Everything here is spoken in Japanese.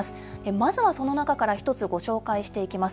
まずはその中から１つ、ご紹介していきます。